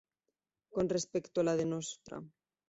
Con respecto a la de Ntra.